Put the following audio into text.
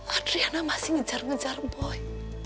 adriana masih ngejar ngejar boy